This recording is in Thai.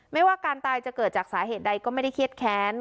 ไม่ว่าการตายจะเกิดจากสาเหตุใดก็ไม่ได้เครียดแค้น